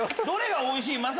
どれがおいしい？